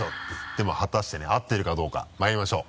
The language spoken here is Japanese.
でも果たしてね合ってるかどうかまいりましょう。